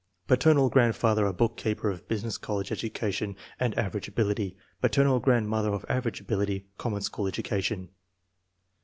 Paternal grandfather a bookkeeper of business college education and average ability. Paternal grandmother of average ability, common school education.